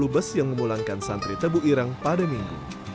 sepuluh bus yang memulangkan santri tebu irang pada minggu